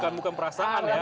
jadi bukan perasaan ya